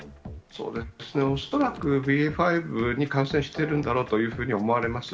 恐らくＢＡ．５に感染しているだろうというふうに思われます。